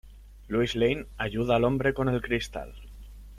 Lois Lane ayuda al hombre con el cristal.